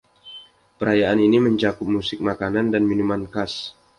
Perayaan ini mencakup musik, makanan, dan minuman khas.